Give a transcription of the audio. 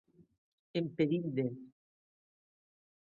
En perill de.